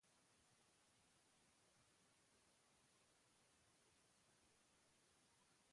Balio hauek euren likidezia handiagatik bereizten dira.